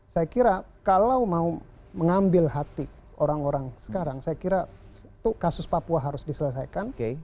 saya kira kalau mau mengambil hati orang orang sekarang saya kira kasus papua harus diselesaikan